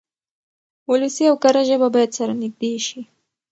ولسي او کره ژبه بايد سره نږدې شي.